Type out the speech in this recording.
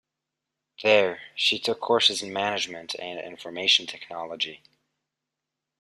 There, she took courses in management and information technology.